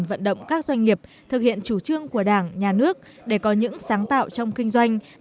vận động các doanh nghiệp thực hiện chủ trương của đảng nhà nước để có những sáng tạo trong kinh doanh